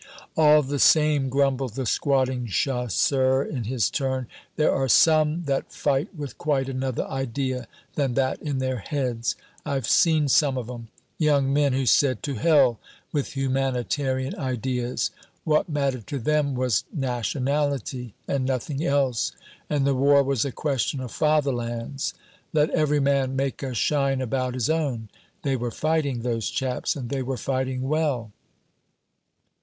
"All the same," grumbled the squatting chasseur in his turn, "there are some that fight with quite another idea than that in their heads. I've seen some of 'em, young men, who said, 'To hell with humanitarian ideas'; what mattered to them was nationality and nothing else, and the war was a question of fatherlands let every man make a shine about his own. They were fighting, those chaps, and they were fighting well."